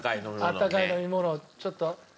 あったかい飲み物をちょっと。